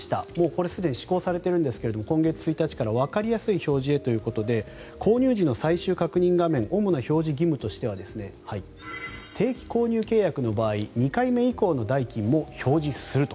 これ、すでに施行されているんですが今月１日からわかりやすい表示へということで購入時の最終確認画面主な表示義務としては定期購入契約の場合２回目以降の代金も表示する。